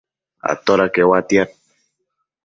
atoda queuatiad?